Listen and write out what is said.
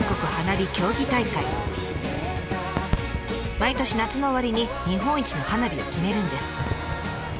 毎年夏の終わりに日本一の花火を決めるんです。